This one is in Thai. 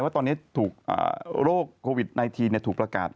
ว่าตอนนี้ถูกโรคโควิด๑๙ถูกประกาศ